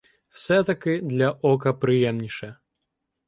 Все-таки для ока приємніше.